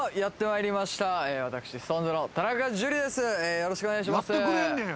よろしくお願いします。